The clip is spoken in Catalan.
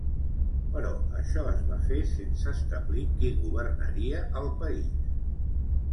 Però això es va fer sense establir qui governaria el país.